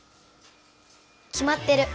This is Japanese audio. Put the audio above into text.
きまってる。